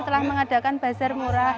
telah mengadakan bazar murah